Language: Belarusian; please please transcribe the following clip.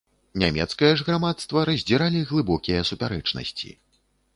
Нямецкае ж грамадства раздзіралі глыбокія супярэчнасці.